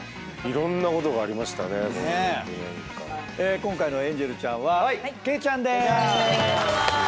今回のエンジェルちゃんはケイちゃんでーす！